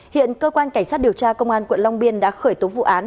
hiện cơ quan cảnh sát điều tra công an quận long biên đã khởi tố vụ án